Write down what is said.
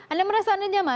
anda merasa anda nyaman